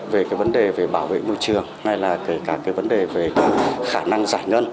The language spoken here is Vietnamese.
về vấn đề bảo vệ môi trường hay là kể cả vấn đề về khả năng giải ngân